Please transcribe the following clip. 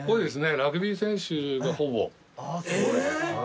ラグビー選手がほぼ。えぇー！